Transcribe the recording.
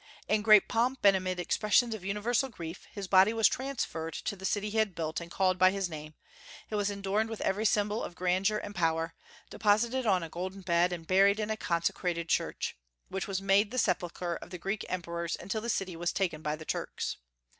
In great pomp, and amid expressions of universal grief, his body was transferred to the city he had built and called by his name; it was adorned with every symbol of grandeur and power, deposited on a golden bed, and buried in a consecrated church, which was made the sepulchre of the Greek emperors until the city was taken by the Turks.